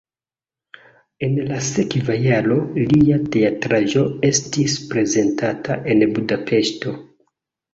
En la sekva jaro lia teatraĵo estis prezentata en Budapeŝto.